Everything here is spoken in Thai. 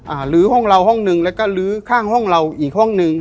ลื้อห้องเราห้องหนึ่งแล้วก็ลื้อข้างห้องเราอีกห้องหนึ่ง